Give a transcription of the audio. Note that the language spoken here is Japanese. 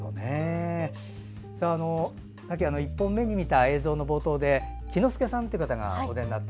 さっき１本目に見た映像の冒頭で喜之助さんっていう方がお出になって。